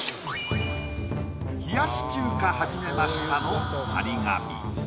「冷やし中華はじめました」の貼り紙。